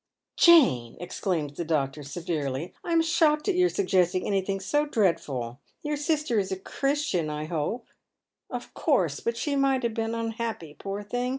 Jane !" exclaims the doctor, severely, " I am shocked at your suggesting anything so dreadful. Your sister is a Chiistian, i hope." " Of course ; but she might have been unhappy, poor thing.